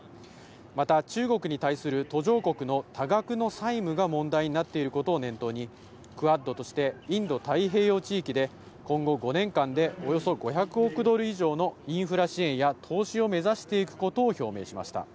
また、中国に対する途上国の多額の債務が問題になっていることを念頭に、クアッドとしてインド太平洋地域で今後５年間で、およそ５００億ドル以上のインフラ支援や投資を目指していくことを表明しました。